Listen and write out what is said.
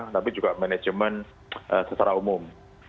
tapi juga manajemen secara umum